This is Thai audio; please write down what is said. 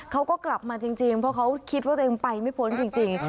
เขาก็กลับมาจริงเพราะเขาคิดว่าตัวเองไปไม่พ้นจริง